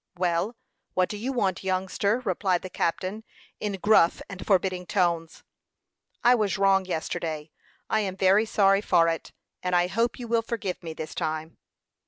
"Well, what do you want, youngster?" replied the captain, in gruff and forbidding tones. "I was wrong yesterday; I am very sorry for it, and I hope you will forgive me this time."